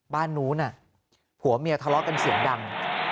บ้านนู้นผัวเมียทะเลาะกันเสียงดัง